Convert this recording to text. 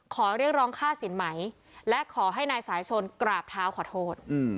ขอเรียกร้องค่าสินไหมและขอให้นายสายชนกราบเท้าขอโทษ